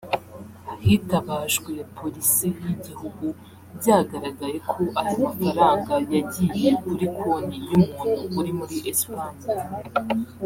Hitabajwe Polisi y’igihugu byagaragaye ko aya mafaranga yagiye kuri konti y’umuntu uri muri Espagne